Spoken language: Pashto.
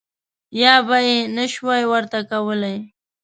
یا به یې نه شوای ورته کولای.